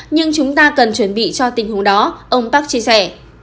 nhưng chúng ta cần chuẩn bị cho tình huống đó ông park chia sẻ